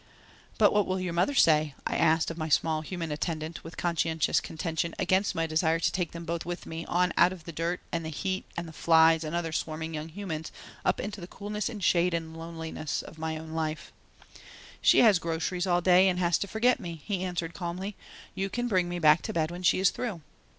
"But what will your mother say?" I asked of my small human attendant with conscientious contention against my desire to take them both with me on out of the dirt and heat and flies and other swarming young humans up into the coolness and shade and loneliness of my own life. "She groceries all day and has to forget me," he answered calmly. "You can bring me back to bed when she is through."